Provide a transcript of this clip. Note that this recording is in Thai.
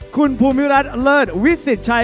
คุณภูมิรัฐเลิศวิสิตชัย